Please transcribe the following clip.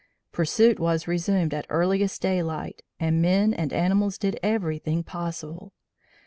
Pursuit was resumed at earliest daylight and men and animals did everything possible.